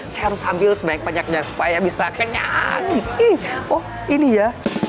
saya harus ambil sebanyak banyaknya supaya bisa kenyang oh ini ya